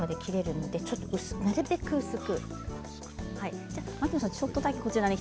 なるべく薄く。